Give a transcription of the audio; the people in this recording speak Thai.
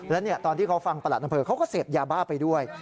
และตอนที่เขาฟังประหลัดอำเภอเขาก็เสพยาบ้าไปด้วย